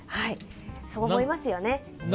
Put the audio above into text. そう思いますよね。